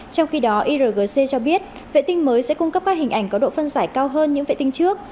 trong khi đó irgc cho biết vệ tinh mới sẽ cung cấp các hình ảnh có độ phân giải cao hơn những vệ tinh trước